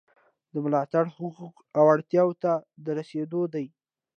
دا ملاتړ حقوقو او اړتیاوو ته د رسیدو دی.